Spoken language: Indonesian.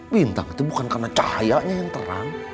bintang itu bukan karena cahayanya yang terang